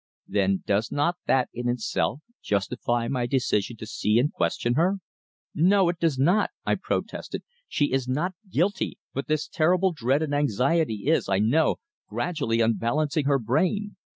"Then does not that, in itself, justify my decision to see and question her?" "No, it does not!" I protested. "She is not guilty, but this terrible dread and anxiety is, I know, gradually unbalancing her brain.